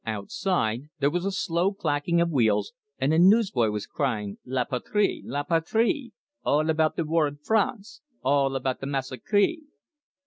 Outside there was a slow clacking of wheels, and a newsboy was crying "La Patrie! La Patrie! All about the War in France! All about the massacree!"